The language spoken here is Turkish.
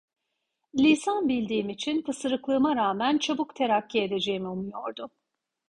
Lisan bildiğim için, pısırıklığıma rağmen çabuk terakki edeceğimi umuyordu.